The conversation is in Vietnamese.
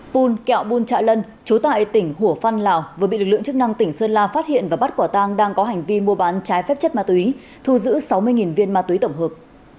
pun kẹo pun trạ lân chú tại tỉnh hủa phan lào vừa bị lực lượng chức năng tỉnh sơn la phát hiện và bắt quả tang đang có hành vi mua bán trái phép chất ma túy thu giữ sáu mươi viên ma túy tổng hợp